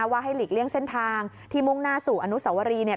ว่าให้หลีกเลี่ยงเส้นทางที่มุ่งหน้าสู่อนุสวรีเนี่ย